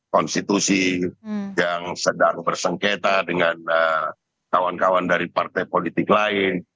konstitusi yang sedang bersengketa dengan kawan kawan dari partai politik lain